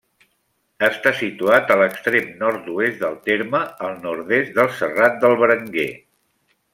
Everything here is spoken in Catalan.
Està situat a l'extrem nord-oest del terme, al nord-est del Serrat del Berenguer.